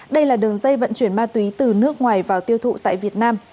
đây là đường dây vận chuyển ma túy từ nước ngoài vào tiêu thụ tại việt nam